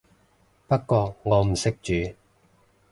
不過我唔識煮